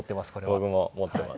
僕も持っています。